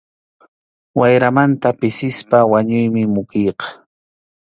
Wayramanta pisispa wañuymi mukiyqa.